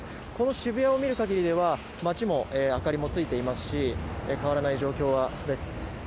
この渋谷を見る限りでは街も明かりがついていますし変わらない状況です。